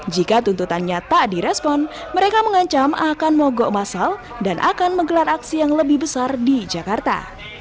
jika tuntutannya tak direspon mereka mengancam akan mogok masal dan akan menggelar aksi yang lebih besar di jakarta